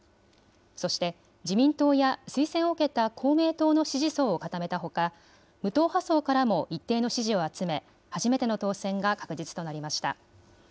そして、自民党や推薦を受けた公明党の支持層を固めたほか、無党派層からも一定の支持を集め、初めての当選が確実となりました。